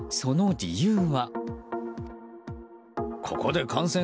その理由は。